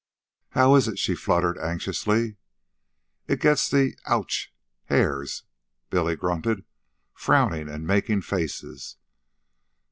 "How is it?" she fluttered anxiously. "It gets the ouch! hair," Billy grunted, frowning and making faces.